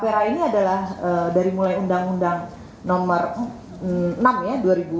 tapera ini adalah dari mulai undang undang nomor enam ya